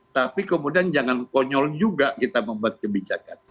tapi kemudian jangan konyol juga kita membuat kebijakan